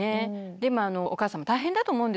でもあのお母さんも大変だと思うんですよ